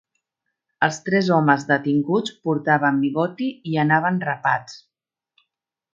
Els tres homes detinguts portaven bigoti i anaven rapats.